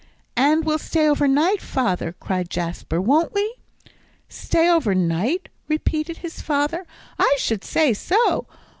"And we'll stay over night, father," cried Jasper, "won't we?" "Stay over night?" repeated his father, "I should say so.